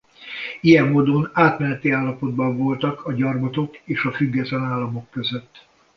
Ilyen módon átmeneti állapotban voltak a gyarmatok és a független államok között.